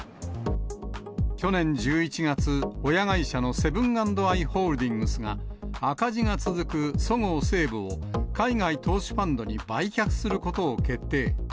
去年１１月、親会社のセブン＆アイ・ホールディングスが赤字が続くそごう・西武を、海外投資ファンドに売却することを決定。